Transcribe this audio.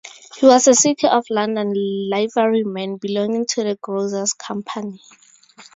He was a City of London Liveryman, belonging to the Grocers' Company.